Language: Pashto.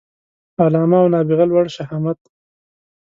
علامه او نابغه لوړ شهامت